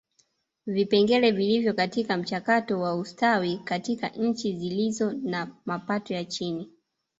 Vipengele vilivyo katika mchakato wa ustawi katika nchi zilizo na mapato ya chini